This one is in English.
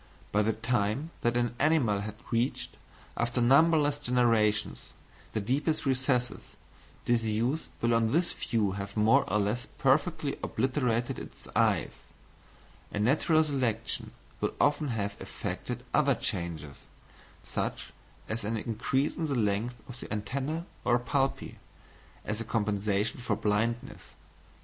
By the time that an animal had reached, after numberless generations, the deepest recesses, disuse will on this view have more or less perfectly obliterated its eyes, and natural selection will often have effected other changes, such as an increase in the length of the antennæ or palpi, as a compensation for blindness.